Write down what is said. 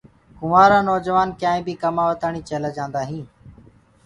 ڪنٚوُآرآ نوجوآن ڪيآئينٚ بي ڪمآوآ تآڻي چيلآ جآندآ هينٚ۔